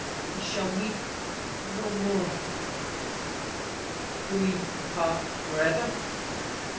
We shall meet no more." "Do we part for ever?"